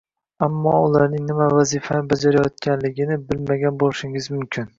ammo ularning nima vazifani bajarayotganligini bilmagan bo’lishingiz mumkin